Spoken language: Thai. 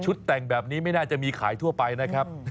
แต่งแบบนี้ไม่น่าจะมีขายทั่วไปนะครับ